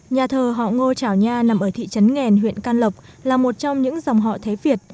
nhà thờ họ ngô trảo nha nằm ở thị trấn nghèn huyện can lộc là một trong những dòng họ thế việt